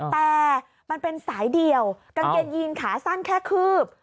แต่มันเป็นสายเดี่ยวกางเกงยีนขาสั้นแค่คืบ